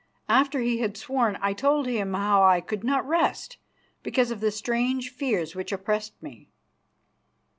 After he had sworn I told him how I could not rest because of the strange fears which oppressed me.